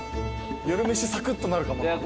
夜飯サクッとなるかも。